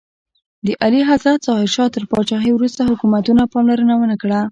د اعلیحضرت ظاهر شاه تر پاچاهۍ وروسته حکومتونو پاملرنه ونکړه.